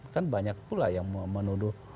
kan banyak pula yang menuduh